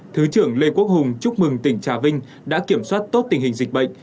thứ trưởng lê quốc hùng chúc mừng tỉnh trà vinh đã kiểm soát tốt tình hình dịch bệnh